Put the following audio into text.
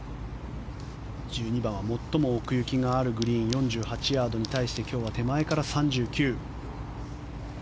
１２番最も奥行きがあるグリーン４８ヤードに対して今日は手前から３９。